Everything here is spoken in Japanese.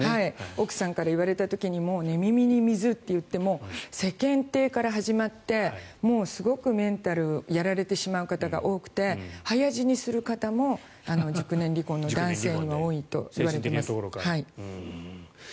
奥さんから言われた時にも寝耳に水ということで世間体から始まってもうすごくメンタルがやられてしまう方が多くて早死にする方も熟年離婚の男性には多いといわれています。